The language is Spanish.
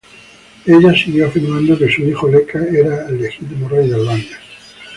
Ella siguió afirmando que su hijo Leka era el legítimo rey de Albania.